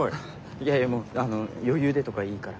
いやいや「余裕で」とかいいから。